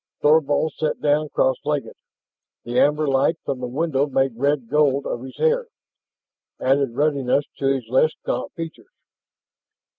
Thorvald sat down cross legged. The amber light from the window made red gold of his hair, added ruddiness to his less gaunt features.